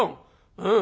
うん。